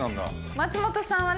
松本さんはね